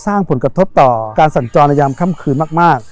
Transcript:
สร้างผลกระทบต่อการสัญจรในยามค่ำคืนมาก